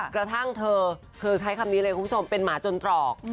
กระทั่งเธอเธอใช้คำนี้เลยคุณผู้ชมเป็นหมาจนตรอก